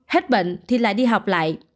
hết bệnh thì lại đi học lại